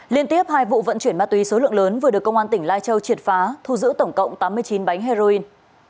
liên tiếp hai vụ vận chuyển ma túy số lượng lớn vừa được công an tỉnh lai châu triệt phá thu giữ tổng cộng tám mươi chín bánh heroin